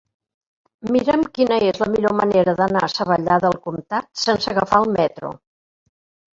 Mira'm quina és la millor manera d'anar a Savallà del Comtat sense agafar el metro.